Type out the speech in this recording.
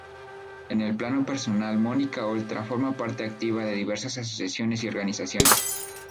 En el plano personal Mónica Oltra forma parte activa de diversas asociaciones y organizaciones.